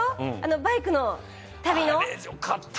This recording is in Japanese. バイクの旅の？